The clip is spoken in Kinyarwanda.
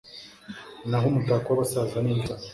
naho umutako w’abasaza ni imvi zabo